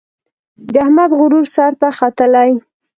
د احمد غرور سر ته ختلی.